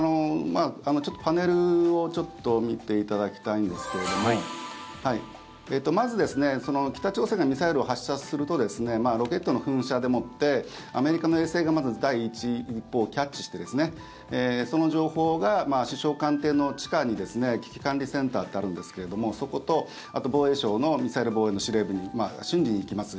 パネルを見ていただきたいんですけれどもまず、北朝鮮がミサイルを発射するとロケットの噴射でもってアメリカの衛星がまず第一報をキャッチしてその情報が、首相官邸の地下に危機管理センターってあるんですけれども、そことあと、防衛省のミサイル防衛の司令部に瞬時に行きます。